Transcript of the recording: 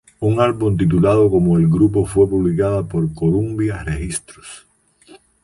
Un álbum titulado como el grupo fue publicado por Columbia Registros.